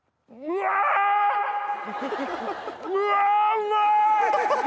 うわうまい！